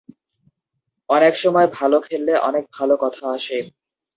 অনেক সময় ভালো খেললে অনেক ভালো কথা আসে।